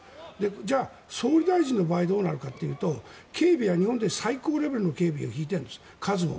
じゃあ総理大臣の場合どうなるかというと警備は日本で最高レベルの警備を敷いてるんです、数を。